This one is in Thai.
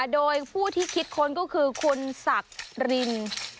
โดยผู้ที่คิดค้นก็คือคุณสักริน